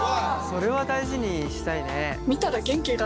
それは大事にしたいね。